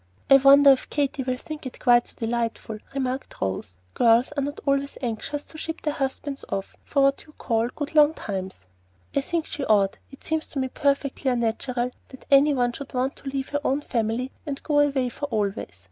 "I wonder if Katy will think it quite so delightful," remarked Rose. "Girls are not always so anxious to ship their husbands off for what you call 'good long times.'" "I think she ought. It seems to me perfectly unnatural that any one should want to leave her own family and go away for always.